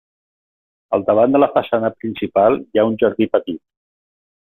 Al davant de la façana principal hi ha un jardí petit.